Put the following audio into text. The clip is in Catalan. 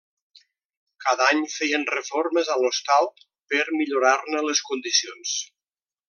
Cada any feien reformes a l'hostal per millorar-ne les condicions.